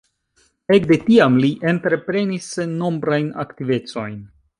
Ekde tiam li entreprenis sennombrajn aktivecojn.